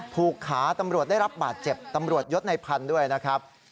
ขาตำรวจได้รับบาดเจ็บตำรวจยศในพันธุ์ด้วยนะครับ